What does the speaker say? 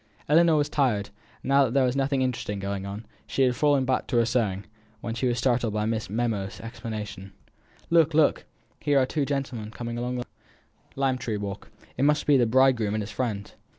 Ellinor was tired, and now that there was nothing interesting going on, she had fallen back to her sewing, when she was startled by Miss Memo's exclamation: "Look, look! here are two gentlemen coming along the lime tree walk! it must be the bridegroom and his friend."